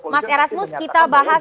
mas erasmus kita bahas